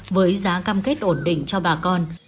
với giá cam kết ổn định cho bà con